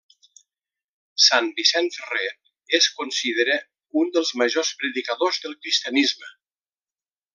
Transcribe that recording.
Sant Vicent Ferrer es considera un dels majors predicadors del cristianisme.